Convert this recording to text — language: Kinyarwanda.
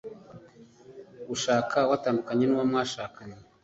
gushaka watandukanye nu wo mwashakanye